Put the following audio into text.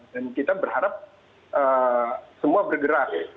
dan kita berharap semua bergerak